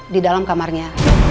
di dalam kamarnya